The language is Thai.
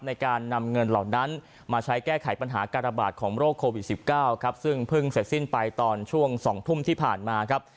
ในการนำเงินเหล่านั้นมาใช้แก้ไขปัญหาการระบาดของโรคโควิด๑๙ครับซึ่งเพิ่งเสร็จสิ้นไปตอนช่วง๒ทุ่มที่ผ่านมาครับ